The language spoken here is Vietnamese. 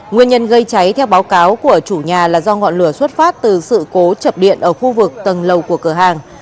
nguyên nhân gây cháy theo báo cáo của chủ nhà là do ngọn lửa xuất phát từ sự cố chập điện ở khu vực tầng lầu của cửa hàng